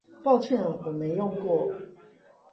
抱歉我沒用過